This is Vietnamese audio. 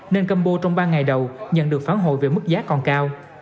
nên combo trong ba ngày đầu nhận được phán hội về mức giá còn cao